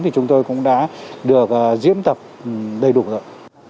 thì chúng tôi cũng đã được diễn tập đầy đủ rồi